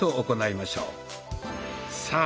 さあ